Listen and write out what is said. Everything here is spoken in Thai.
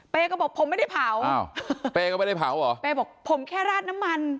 ก็บอกผมไม่ได้เผาอ้าวเป้ก็ไม่ได้เผาเหรอเป้บอกผมแค่ราดน้ำมัน